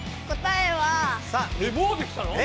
えっもうできたの？